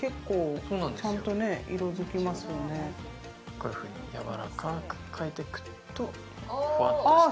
こういうふうにやわらかく書いていくと、ふわっとする。